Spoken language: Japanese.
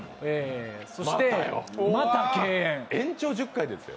そしてまた敬遠。